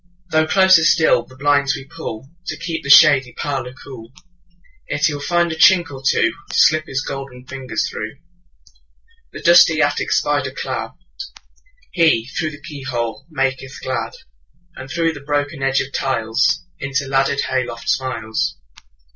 Though closer still the blinds we pullTo keep the shady parlour cool, Yet he will find a chink or twoTo slip his golden fingers through. The dusty attic spider cladHe, through the keyhole, maketh glad; And through the broken edge of tiles, Into the laddered hay loft smiles.